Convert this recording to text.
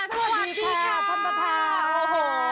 สวัสดีค่ะท่านประธาน